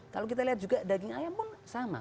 kalau kita lihat juga daging ayam pun sama